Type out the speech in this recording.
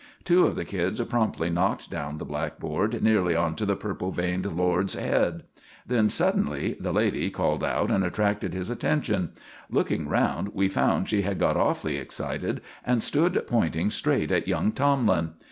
Two of the kids promptly knocked down the black board nearly onto the purple veined lord's head. Then suddenly the lady called out and attracted his attention. Looking round, we found she had got awfully excited, and stood pointing straight at young Tomlin.